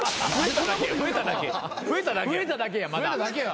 増えただけやまだ。